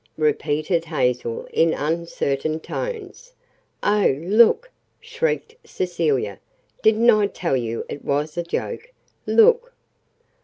repeated Hazel in uncertain tones. "Oh, look!" shrieked Cecilia. "Didn't I tell you it was a joke? Look!"